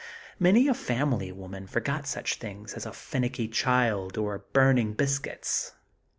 Many a family woman forgot such things as a finicky child or burning biscuits.